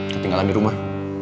ketinggalan di rumah